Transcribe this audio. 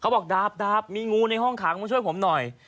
บอกดาบมีงูในห้องขังมาช่วยผมหน่อย